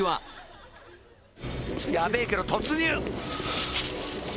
やべえけど突入！